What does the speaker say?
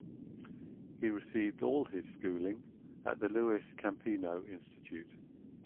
He received all his schooling at the Luis Campino Institute.